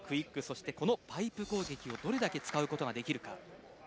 クイック、そしてこのパイプ攻撃をどのくらい使うことができるか。